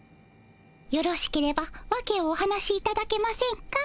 よろしければワケをお話しいただけませんか？